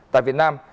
tại việt nam